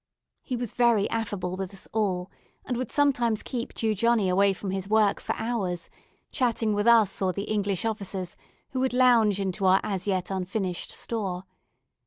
He was very affable with us all, and would sometimes keep Jew Johnny away from his work for hours, chatting with us or the English officers who would lounge into our as yet unfinished store.